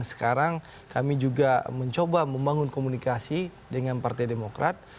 dan sekarang kami juga mencoba membangun komunikasi dengan partai demokrat